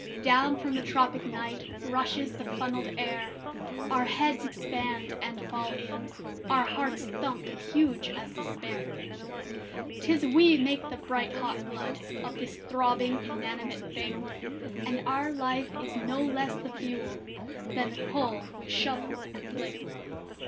"Down from the tropic night Rushes the funnelled air; Our heads expand and fall in; Our hearts thump huge as despair. "'Tis we make the bright hot blood Of this throbbing inanimate thing; And our life is no less the fuel Than the coal we shovel and fling.